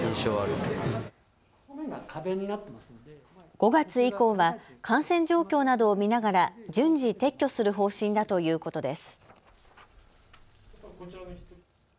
５月以降は感染状況などを見ながら順次、撤去する方針だということです。